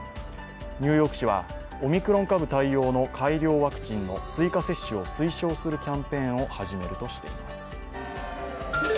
ニューヨーク市は、オミクロン株対応の改良ワクチンの追加接種を推奨するキャンペーンを始めるとしています。